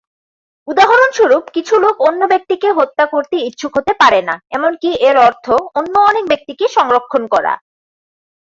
উদাহরণস্বরূপ, কিছু লোক অন্য ব্যক্তিকে হত্যা করতে ইচ্ছুক হতে পারে না, এমনকি এর অর্থ অন্য অনেক ব্যক্তিকে সংরক্ষণ করা।